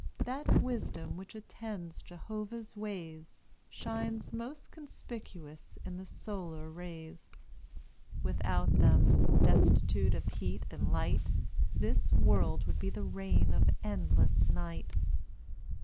That wisdom which attends Jehovah's ways, Shines most conspicuous in the solar rays. Without them, destitute of heat and light, This world would be the reign of endless night.